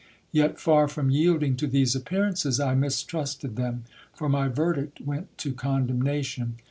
Yet far from yielding to these appearances, I mistrusted them ; for my verdict went to condemnation.